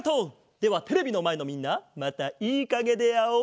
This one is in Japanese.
ではテレビのまえのみんなまたいいかげであおう。